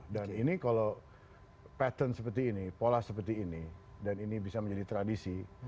dan ini kalau pattern seperti ini pola seperti ini dan ini bisa menjadi tradisi